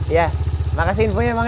iya makasih infonya bang